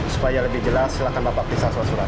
supaya lebih jelas silahkan bapak pisah surat surat